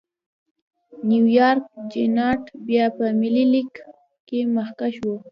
نیویارک جېانټ بیا په ملي لېګ کې مخکښ و.